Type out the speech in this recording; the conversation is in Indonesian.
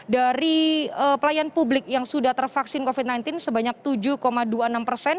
dari pelayan publik yang sudah tervaksin covid sembilan belas sebanyak tujuh dua puluh enam persen